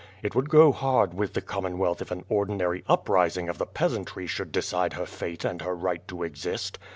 It would go hard with the Commonwealth if an ordinary uprising of the peasantry should decide her fate and her right to exist.